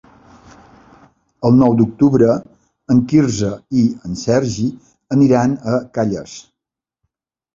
El nou d'octubre en Quirze i en Sergi aniran a Calles.